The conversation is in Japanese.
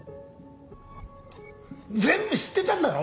全部知ってたんだろ！？